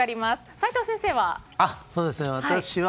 齋藤先生は？